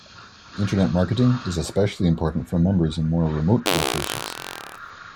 Internet marketing is especially important for members in more remote locations.